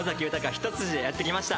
一筋でやってきました。